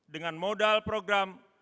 dengan modal program